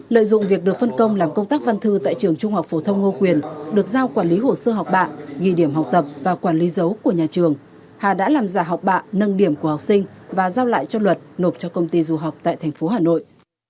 lợi dụng việc được phân công làm công tác văn thư tại trường trung học phổ thông ngô quyền được giao quản lý hồ sơ học bạ ghi điểm học tập và quản lý dấu của nhà trường hà đã làm giả học bạ nâng điểm của học sinh và giao lại cho luật nộp cho công ty du học tại tp hà nội